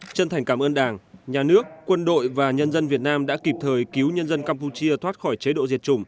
chân thành cảm ơn đảng nhà nước quân đội và nhân dân việt nam đã kịp thời cứu nhân dân campuchia